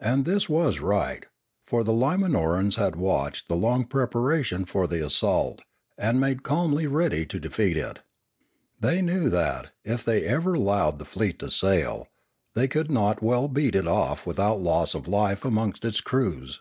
And this was right. For the Limanorans had watched the long preparation for the assault, and made calmly ready to defeat it. They knew that, if they ever al lowed the fleet to sail, they could not well beat it off without loss of life amongst its crews.